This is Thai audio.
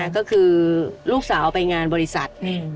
ก็คือลูกสาวไปงานบริษัท